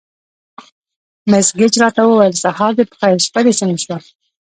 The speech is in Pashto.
مس ګېج راته وویل: سهار دې په خیر، شپه دې څنګه شوه؟